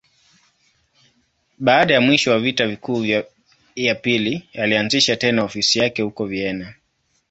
Baada ya mwisho wa Vita Kuu ya Pili, alianzisha tena ofisi yake huko Vienna.